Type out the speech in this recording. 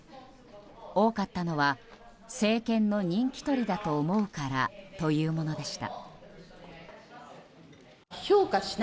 多かったのは政権の人気取りだと思うからというものでした。